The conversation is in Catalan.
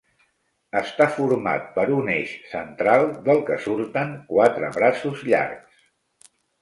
Està format per un eix central del que surten quatre braços llargs.